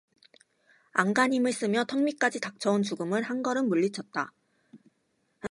안간힘을 쓰며 턱밑까지 닥쳐온 죽음을 한 걸음 물리쳤다.